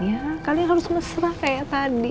ya kalian harus mesra kayak tadi